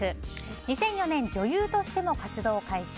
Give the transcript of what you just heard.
２００４年女優としても活動開始。